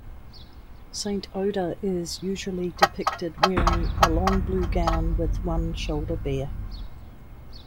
Saint Oda is usually depicted wearing a long blue gown with one shoulder bare.